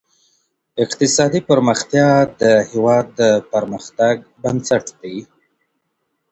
اقتصادي پرمختيا د هېواد د پرمختګ بنسټ دی.